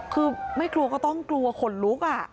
คือไม่กลัวก็ต้องกลัวขนลุก